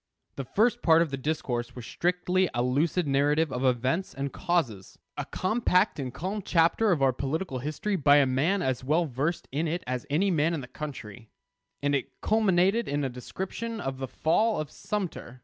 The first part of the discourse was strictly a lucid narrative of events and causes: a compact and calm chapter of our political history by a man as well versed in it as any man in the country; and it culminated in a description of the fall of Sumter.